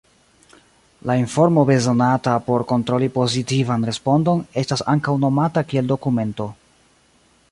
La informo bezonata por kontroli pozitivan respondon estas ankaŭ nomata kiel "dokumento".